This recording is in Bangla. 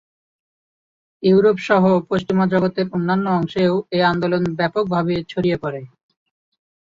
ইউরোপসহ পশ্চিমা জগতের অন্যান্য অংশেও এ আন্দোলন ব্যাপকভাবে ছড়িয়ে পড়ে।